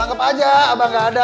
anggep aja abah nggak ada